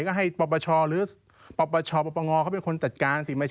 ก็ให้ปปชหรือปปชปปงเขาเป็นคนจัดการสิ